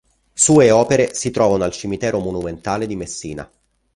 Sue opere si trovano al Cimitero monumentale di Messina.